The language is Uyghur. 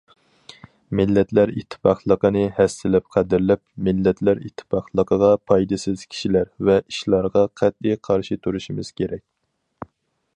مىللەتلەر ئىتتىپاقلىقىنى ھەسسىلەپ قەدىرلەپ، مىللەتلەر ئىتتىپاقلىقىغا پايدىسىز كىشىلەر ۋە ئىشلارغا قەتئىي قارشى تۇرۇشىمىز كېرەك.